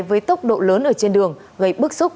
với tốc độ lớn ở trên đường gây bức xúc